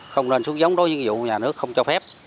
không nên xuống giống đối với vụ nhà nước không cho phép